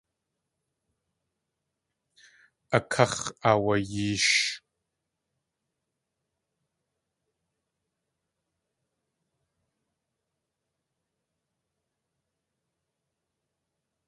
A káx̲ aawayeesh.